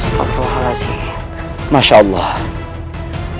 saya ini menellahi national entertainment hingga ke dua puluh lima